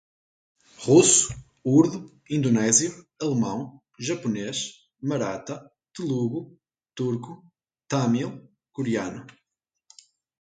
Russo, urdu, indonésio, alemão, japonês, marata, telugo, turco, tâmil, coreano